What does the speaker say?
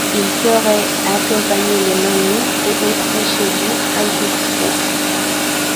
Ils auraient accompagné les mammouths et autres chevaux ancestraux.